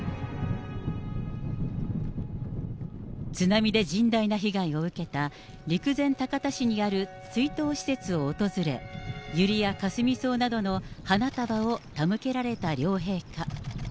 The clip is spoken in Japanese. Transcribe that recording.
津波で甚大な被害を受けた陸前高田市にある追悼施設を訪れ、ユリやカスミソウなどの、花束を手向けられた両陛下。